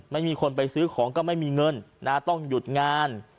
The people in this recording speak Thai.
ไม่มีคนไปซื้อของก็ไม่มีเงินต้องหยุดงาน